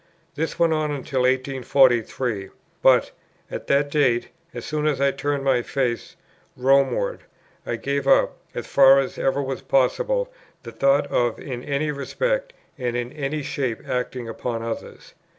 This went on till 1843; but, at that date, as soon as I turned my face Rome ward, I gave up, as far as ever was possible, the thought of in any respect and in any shape acting upon others.